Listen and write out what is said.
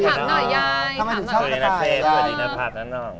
สวัสดีนักเทพสวัสดีนภาพนักหน่อง